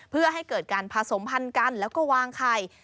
เพื่อให้เกิดการผสมพันธุ์กันแล้วก็วางไข่